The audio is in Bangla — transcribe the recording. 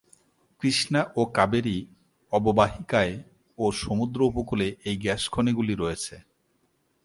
কৃষ্ণা ও কাবেরী অববাহিকায় ও সমুদ্র উপকূলে এই গ্যাস খনি গুলি রয়েছে।